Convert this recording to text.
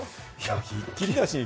ひっきりなしに。